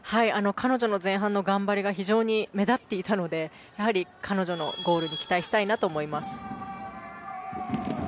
彼女の前半の頑張りが非常に目立っていたので彼女のゴールに期待したいなと思います。